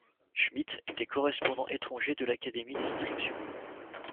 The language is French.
Schmidt était correspondant étranger de l’Académie des Inscriptions.